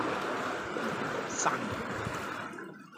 以免它生入肉